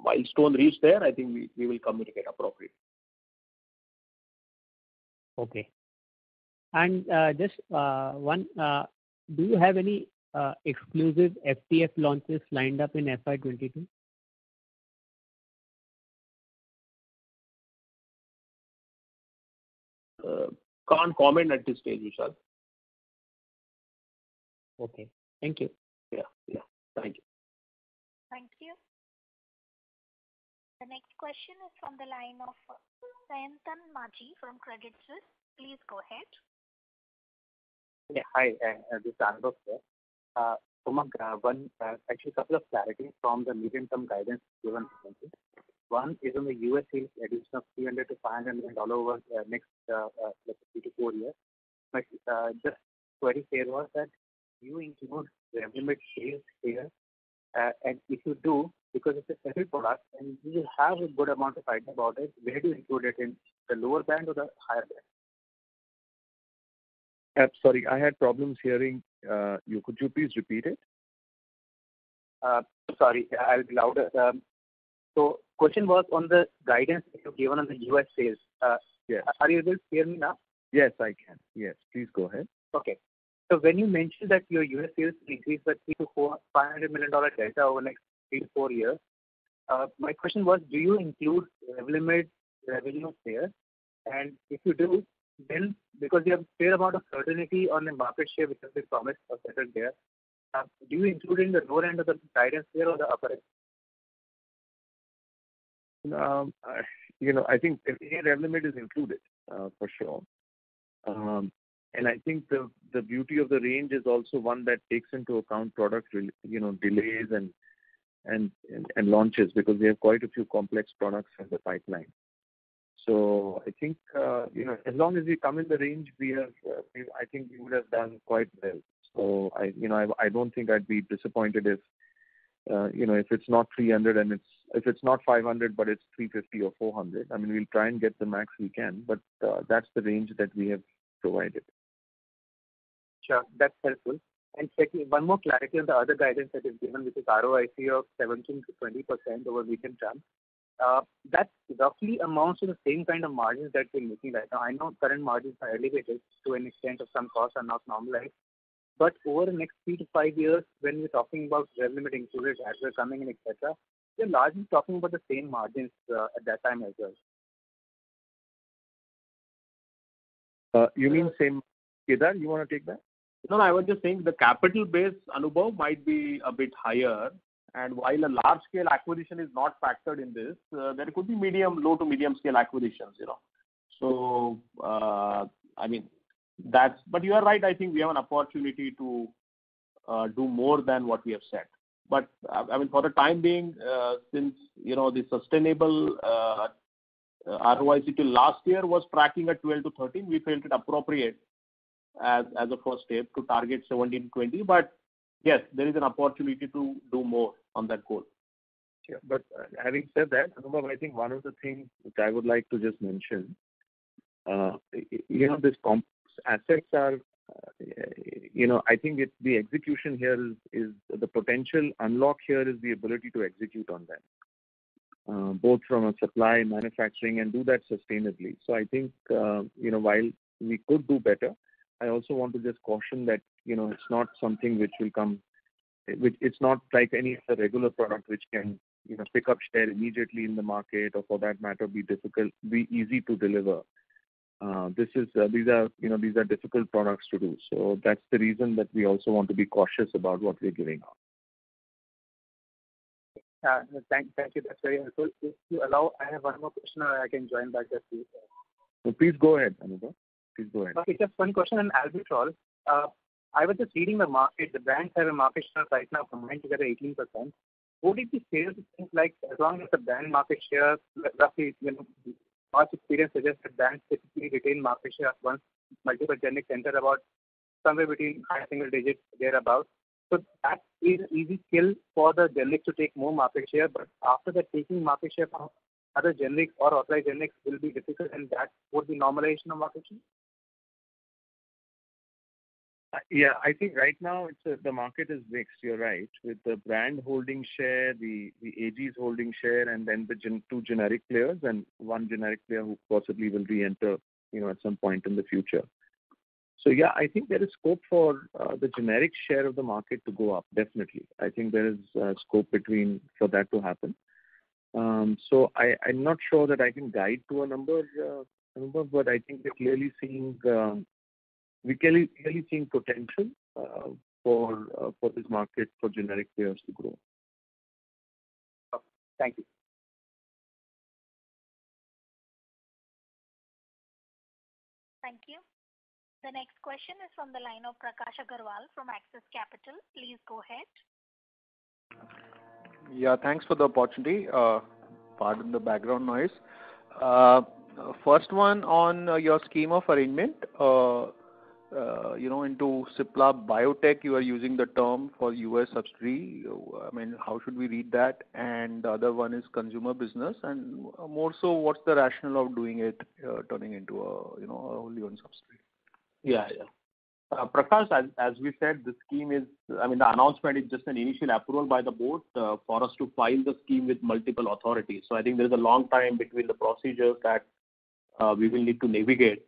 milestone reached there, I think we will communicate appropriately. Okay. Just one, do you have any exclusive FTF launches lined up in FY 2022? Can't comment at this stage, Vishal. Okay. Thank you. Yeah. Thank you. Thank you. The next question is from the line of Sayantan Maji from Credit Suisse. Please go ahead. Hi, this is Anubhav here. Umang, actually a couple of clarity from the medium-term guidance given. One is on the U.S.A. addition of $300 million-$500 million over the next three to four years. Just query here was that you include REVLIMID sales here, and if you do, because it's a separate product and you will have a good amount of guidance about it, where do you include it, in the lower band or the higher band? Sorry, I had problems hearing you. Could you please repeat it? Sorry, I'll be louder. Question was on the guidance that you've given on the U.S. sales. Yes. Are you able to hear me now? Yes, I can. Yes, please go ahead. When you mentioned that your U.S. sales will increase by $300 million-$500 million over the next three to four years, my question was, do you include REVLIMID revenue there? If you do, because you have a fair amount of certainty on the market share, which has been promised or settled there, do you include it in the lower end of the guidance there or the upper end? I think REVLIMID is included, for sure. I think the beauty of the range is also one that takes into account product delays and launches, because we have quite a few complex products in the pipeline. I think, as long as we come in the range, I think we would have done quite well. I don't think I'd be disappointed if it's not $500, but it's $350 or $400. We'll try and get the max we can, but that's the range that we have provided. Sure. That's helpful. Secondly, one more clarity on the other guidance that is given, which is ROIC of 17%-20% over medium term. That roughly amounts to the same kind of margins that we're making right now. I know current margins are elevated to an extent of some costs are not normalized. Over the next three-five years, when we're talking about REVLIMID included, Advair coming in, et cetera, we're largely talking about the same margins at that time as well. Kedar, you want to take that? No, I was just saying the capital base, Anubhav, might be a bit higher. While a large-scale acquisition is not factored in this, there could be low to medium scale acquisitions. You are right, I think we have an opportunity to do more than what we have said. For the time being, since the sustainable ROIC till last year was tracking at 12-13, we felt it appropriate as a first step to target 17, 20. Yes, there is an opportunity to do more on that goal. Sure. Having said that, Anubhav, I think one of the things which I would like to just mention. I think the potential unlock here is the ability to execute on that, both from a supply and manufacturing and do that sustainably. I think, while we could do better, I also want to just caution that it's not like any other regular product which can pick up share immediately in the market or for that matter, be easy to deliver. These are difficult products to do. That's the reason that we also want to be cautious about what we're giving out. Thank you. That's very helpful. If you allow, I have one more question, and I can join back the queue. Please go ahead, Anubhav. Please go ahead. Okay. Just one question on albuterol. I was just reading the market. The brands have a market share right now combined together 18%. Would it be fair to think like as long as the brand market share past experience suggests that brands typically retain market share once multiple generics enter about somewhere between high single digits, thereabout. That is easy kill for the generic to take more market share, but after that, taking market share from other generic or Authorized Generic will be difficult, and that would be normalization of market share? Yeah, I think right now the market is mixed, you're right. With the brand holding share, the AGs holding share, and then the two generic players and one generic player who possibly will reenter at some point in the future. Yeah, I think there is scope for the generic share of the market to go up, definitely. I think there is scope between for that to happen. I'm not sure that I can guide to a number, but I think we clearly see potential for this market for generic players to grow. Okay. Thank you. Thank you. The next question is from the line of Prakash Agarwal from Axis Capital. Please go ahead. Yeah, thanks for the opportunity. Pardon the background noise. First one on your scheme of arrangement into Cipla BioTec, you are using the term for U.S. subsidiary. How should we read that? The other one is consumer business, and more so, what's the rationale of doing it, turning into a wholly owned subsidiary? Yeah. Prakash, as we said, the announcement is just an initial approval by the board for us to file the scheme with multiple authorities. I think there's a long time between the procedures that we will need to navigate.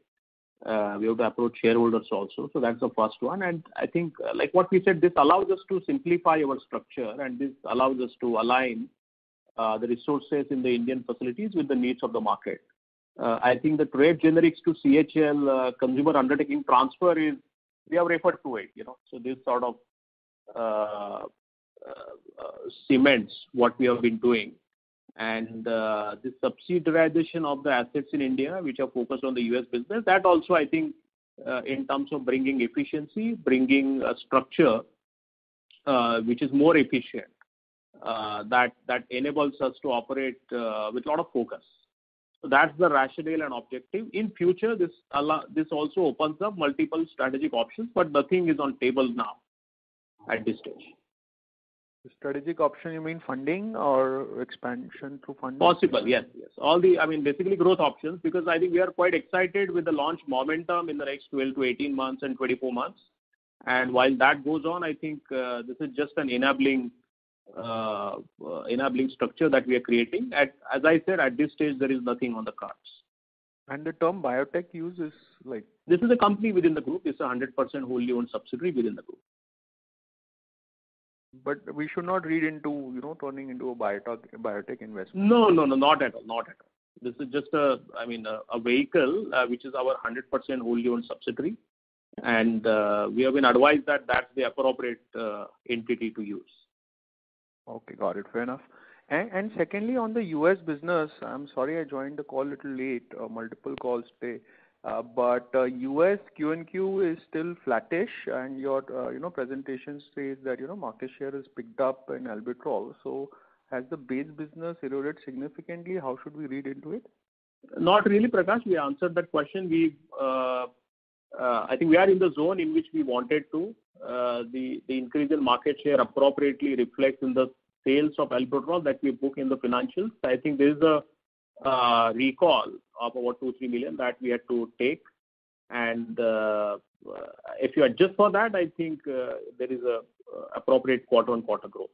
We have to approach shareholders also. That's the first one, and I think, like what we said, this allows us to simplify our structure, and this allows us to align the resources in the Indian facilities with the needs of the market. I think the trade generics to CHL consumer undertaking transfer is, we have referred to it. This sort of cements what we have been doing. The subsidization of the assets in India, which are focused on the U.S. business, that also, I think, in terms of bringing efficiency, bringing a structure which is more efficient, that enables us to operate with a lot of focus. That's the rationale and objective. In future, this also opens up multiple strategic options, but nothing is on table now, at this stage. The strategic option, you mean funding or expansion through funding? Possible, yes. Basically growth options, because I think we are quite excited with the launch momentum in the next 12-18 months and 24 months. While that goes on, I think this is just an enabling structure that we are creating. As I said, at this stage, there is nothing on the cards. The term "BioTec" use is. This is a company within the group. It's 100% wholly owned subsidiary within the group. We should not read into turning into a biotech investment. No, not at all. This is just a vehicle, which is our 100% wholly owned subsidiary, and we have been advised that that's the appropriate entity to use. Okay, got it. Fair enough. Secondly, on the U.S. business, I'm sorry I joined the call a little late, multiple calls today. U.S. QOQ is still flattish, and your presentation says that market share has picked up in albuterol. Has the base business eroded significantly? How should we read into it? Not really, Prakash. We answered that question. I think we are in the zone in which we wanted to. The increase in market share appropriately reflects in the sales of albuterol that we book in the financials. I think there's a recall of about 2 million-3 million that we had to take, and if you adjust for that, I think there is appropriate quarter-on-quarter growth.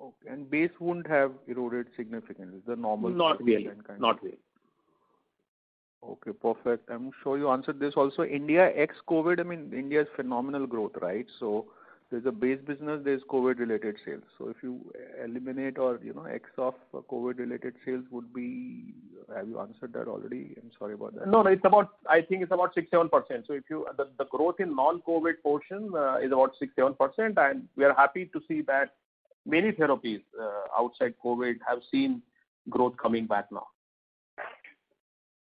Okay, base wouldn't have eroded significantly. Is that normal? Not really. Okay, perfect. I'm sure you answered this also. India ex-COVID, India is phenomenal growth, right? There's a base business, there's COVID-related sales. If you eliminate or X off COVID-related sales would be Have you answered that already? I'm sorry about that. I think it's about 6%-7%. The growth in non-COVID portion is about 6%-7%, and we are happy to see that many therapies outside COVID have seen growth coming back now.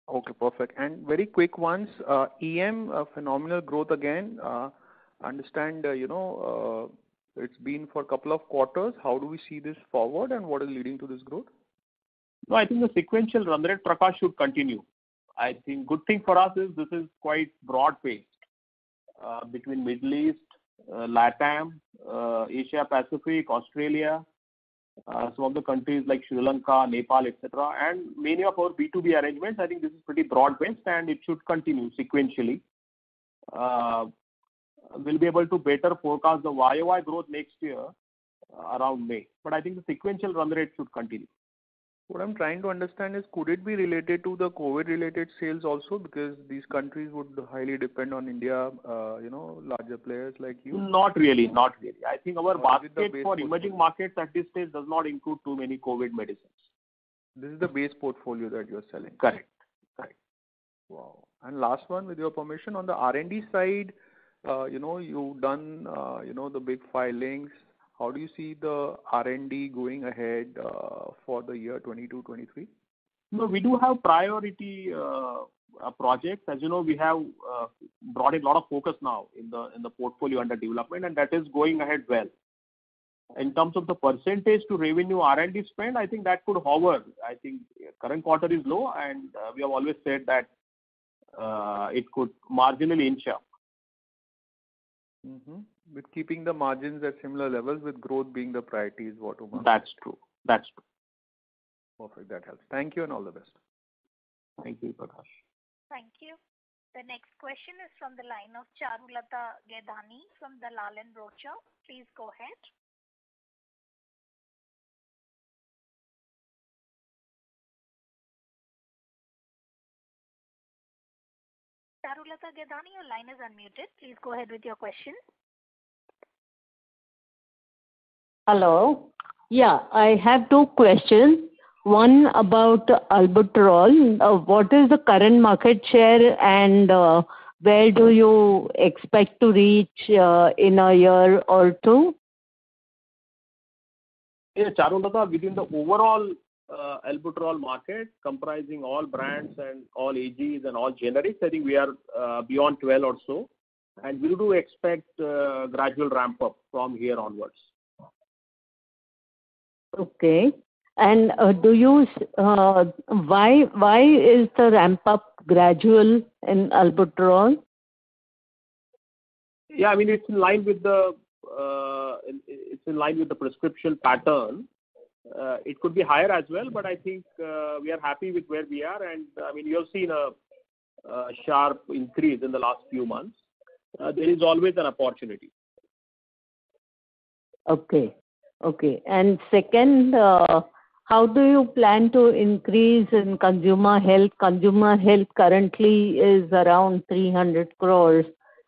Okay, perfect. Very quick ones, EM phenomenal growth again. Understand it's been for a couple of quarters. How do we see this forward and what is leading to this growth? No, I think the sequential run rate, Prakash, should continue. I think good thing for us is this is quite broad-based between Middle East, LatAm, Asia, Pacific, Australia, some of the countries like Sri Lanka, Nepal, et cetera, and many of our B2B arrangements. I think this is pretty broad-based, and it should continue sequentially. We'll be able to better forecast the YOY growth next year around May, but I think the sequential run rate should continue. What I'm trying to understand is could it be related to the COVID-related sales also because these countries would highly depend on India, larger players like you? Not really. I think our basket for emerging markets at this stage does not include too many COVID medicines. This is the base portfolio that you're selling? Correct. Wow. Last one, with your permission. On the R&D side, you've done the big filings. How do you see the R&D going ahead for the year 2022, 2023? No, we do have priority projects. As you know, we have brought a lot of focus now in the portfolio under development, and that is going ahead well. In terms of the % to revenue R&D spend, I think that could hover. I think current quarter is low, and we have always said that it could marginally inch up. With keeping the margins at similar levels with growth being the priority is what you meant? That's true. Perfect. That helps. Thank you, and all the best. Thank you, Prakash. Thank you. The next question is from the line of Charulata Gaidhani from the Dalal & Broacha. Please go ahead. Charulata Gaidhani, your line is unmuted. Please go ahead with your question. Hello. Yeah, I have two questions. One about albuterol. What is the current market share, and where do you expect to reach in a year or two? Yeah, Charulata, within the overall albuterol market, comprising all brands and all AGs and all generics, I think we are beyond 12 or so. We do expect a gradual ramp-up from here onwards. Okay. Why is the ramp-up gradual in albuterol? It's in line with the prescription pattern. It could be higher as well. I think we are happy with where we are. You have seen a sharp increase in the last few months. There is always an opportunity. Okay. Second, how do you plan to increase in Consumer Health? Consumer Health currently is around 300 crores.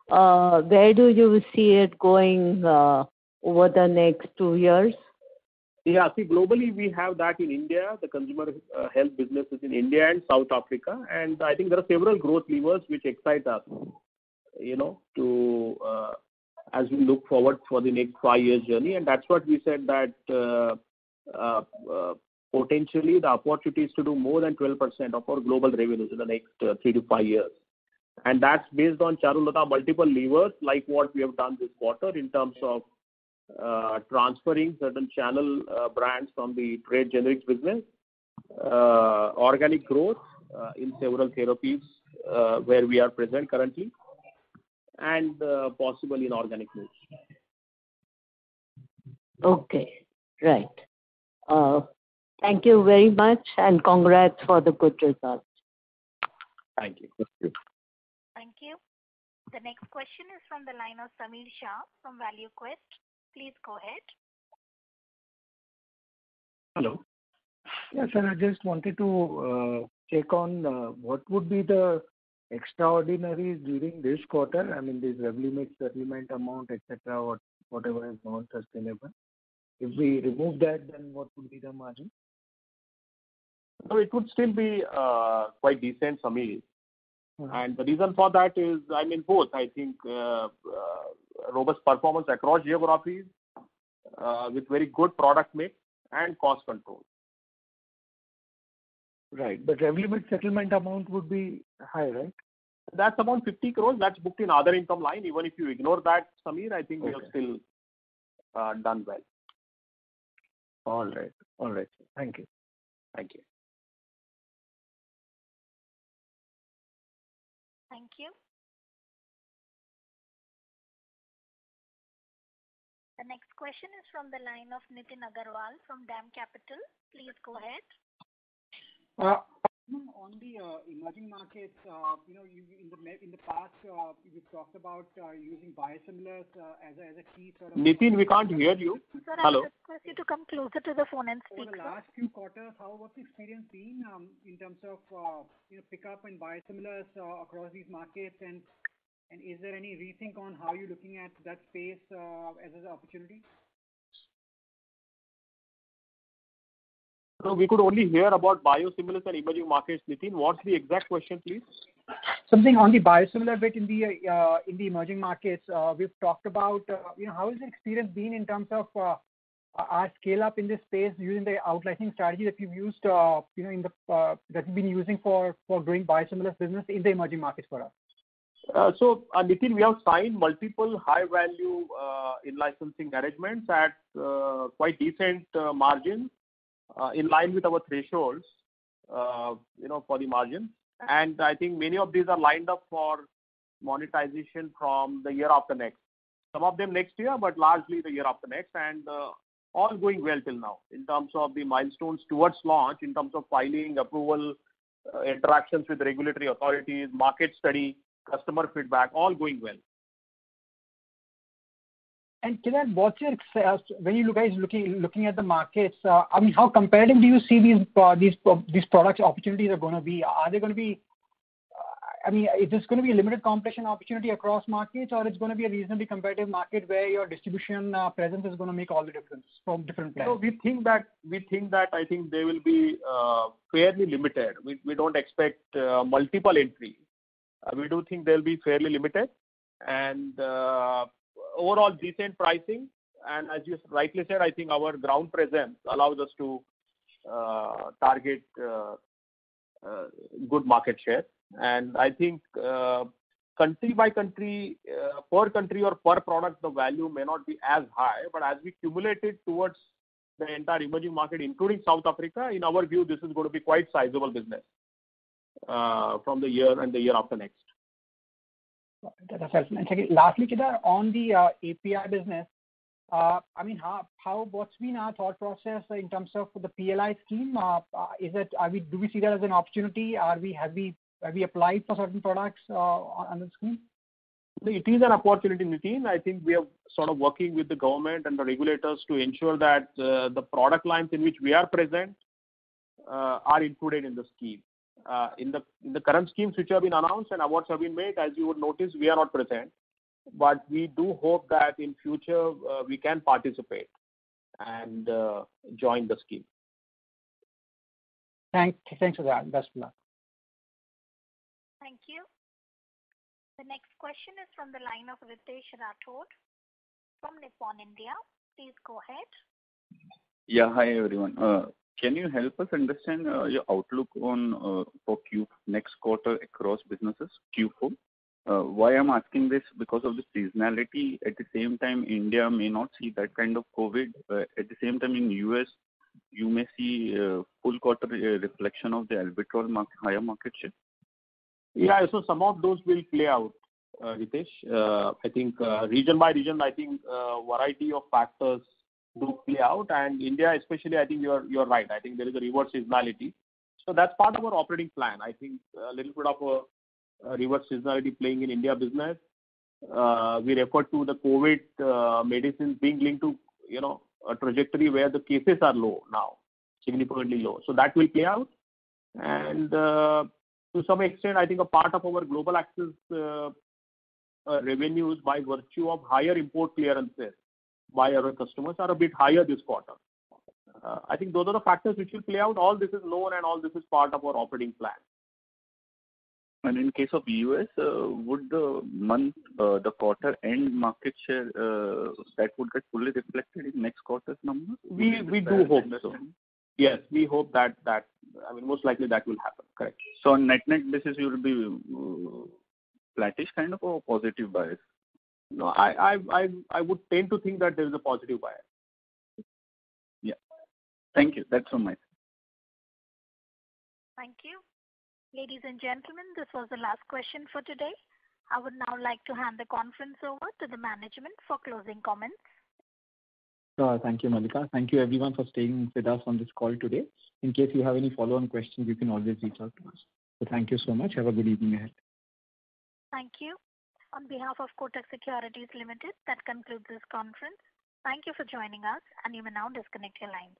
Where do you see it going over the next two years? Yeah. See, globally, we have that in India, the consumer health business is in India and South Africa, and I think there are several growth levers which excite us as we look forward for the next five years journey. That's what we said that, potentially, the opportunity is to do more than 12% of our global revenues in the next three-five years. That's based on, Charulata, multiple levers, like what we have done this quarter in terms of transferring certain channel brands from the trade generics business, organic growth in several therapies where we are present currently, and possibly inorganic growth. Okay. Right. Thank you very much, and congrats for the good results. Thank you. Thank you. The next question is from the line of Sameer Shah from ValueQuest. Please go ahead. Hello. Yeah, sir, I just wanted to check on what would be the extraordinaries during this quarter. I mean, this REVLIMID settlement amount, et cetera, whatever is non-sustainable. If we remove that, then what would be the margin? No, it would still be quite decent, Sameer. The reason for that is both. I think robust performance across geographies with very good product mix and cost control. Right. REVLIMID settlement amount would be high, right? That's about 50 crores. That's booked in other income line. Even if you ignore that, Sameer, I think we have still done well. All right. Thank you. Thank you. Thank you. The next question is from the line of Nitin Agarwal from DAM Capital. Please go ahead. On the emerging markets, in the past, you've talked about using biosimilars as a key sort of- Nitin, we can't hear you. Hello. Sir, I request you to come closer to the phone and speak, sir. Over the last few quarters, how has the experience been in terms of pickup and biosimilars across these markets, and is there any rethink on how you're looking at that space as an opportunity? No, we could only hear about biosimilars and emerging markets, Nitin. What's the exact question, please? Something on the biosimilar bit in the emerging markets. We've talked about how has the experience been in terms of our scale-up in this space using the out-licensing strategy that you've been using for growing biosimilars business in the emerging markets for us? Nitin, we have signed multiple high-value in-licensing arrangements at quite decent margins, in line with our thresholds for the margin. I think many of these are lined up for monetization from the year after next. Some of them next year, largely the year after next. All going well till now in terms of the milestones towards launch, in terms of filing approval, interactions with regulatory authorities, market study, customer feedback, all going well. Kedar, when you guys looking at the markets, how competitive do you see these products opportunities are gonna be? Is this gonna be a limited competition opportunity across markets, or it's gonna be a reasonably competitive market where your distribution presence is gonna make all the difference from different players? No, we think that they will be fairly limited. We don't expect multiple entry. We do think they'll be fairly limited, and overall decent pricing. As you rightly said, I think our ground presence allows us to target good market share. I think per country or per product, the value may not be as high, but as we cumulate it towards the entire emerging market, including South Africa, in our view, this is going to be quite sizable business from this year and the year after next. That's helpful. Second, lastly, Kedar, on the API business, what's been our thought process in terms of the PLI scheme? Do we see that as an opportunity? Have we applied for certain products on the scheme? It is an opportunity, Nitin. I think we are sort of working with the government and the regulators to ensure that the product lines in which we are present are included in the scheme. In the current schemes which have been announced and awards have been made, as you would notice, we are not present. We do hope that in future, we can participate and join the scheme. Thanks for that. Best of luck. Thank you. The next question is from the line of Ritesh Rathod from Nippon India. Please go ahead. Yeah. Hi, everyone. Can you help us understand your outlook for next quarter across businesses, Q4? Why I'm asking this, because of the seasonality. At the same time, India may not see that kind of COVID. At the same time, in U.S., you may see full quarter reflection of the albuterol higher market share. Yeah. Some of those will play out, Ritesh. Region by region, I think a variety of factors do play out. India especially, I think you're right. I think there is a reverse seasonality. That's part of our operating plan. I think a little bit of a reverse seasonality playing in India business. We refer to the COVID medicines being linked to a trajectory where the cases are low now, significantly low. That will play out. To some extent, I think a part of our Global Access revenues, by virtue of higher import clearances by our customers, are a bit higher this quarter. I think those are the factors which will play out. All this is known and all this is part of our operating plan. In case of U.S., would the quarter end market share, that would get fully reflected in next quarter's numbers? We do hope so. Yes, we hope that, most likely that will happen. Correct. On net-net basis, it will be flattish kind of or positive bias? No, I would tend to think that there is a positive bias. Yeah. Thank you. That's from my side. Thank you. Ladies and gentlemen, this was the last question for today. I would now like to hand the conference over to the management for closing comments. Thank you, Mallika. Thank you everyone for staying with us on this call today. In case you have any follow-on questions, you can always reach out to us. Thank you so much. Have a good evening ahead. Thank you. On behalf of Kotak Securities Limited, that concludes this conference. Thank you for joining us, and you may now disconnect your lines.